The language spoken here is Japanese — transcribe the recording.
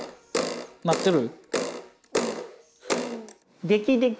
鳴ってる。